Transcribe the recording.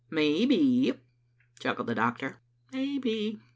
" Maybe, " chuckled the doctor ;" maybe.